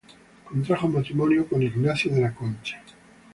Contrajo matrimonio con Ignacio de la Concha.